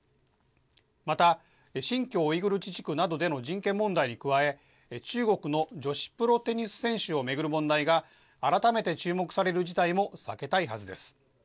また、新疆ウイグル自治区などでの人権問題に加え、中国の女子プロテニス選手を巡る問題が、改めて注目される事態も避けたいはずです。